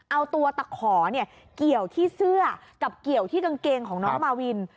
เอาตัวตะขอเกี่ยวที่เสื้อกับเกี่ยวที่กางเกงของน้องมาวิน